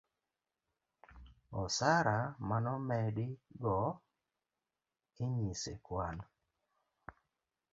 osara manomedi go inyis e kwan